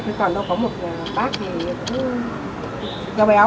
đấy còn đâu có một bác thì cũng giao béo